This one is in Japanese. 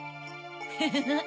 フフフっ。